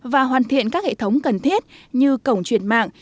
và hoàn thiện các hệ thống cần thiết như cổng truyền mạng